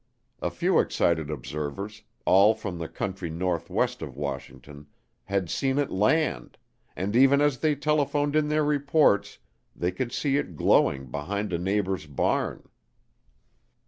A few excited observers, all from the country northwest of Washington, "had seen it land" and even as they telephoned in their reports they could see it glowing behind a neighbor's barn.